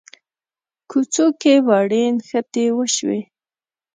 کوڅو کې وړې نښتې وشوې.